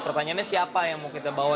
pertanyaannya siapa yang mau kita bawa